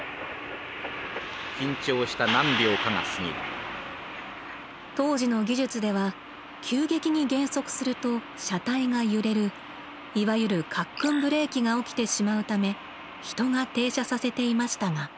緊張した何秒かが過ぎる当時の技術では急激に減速すると車体が揺れるいわゆる「カックンブレーキ」が起きてしまうため人が停車させていましたが。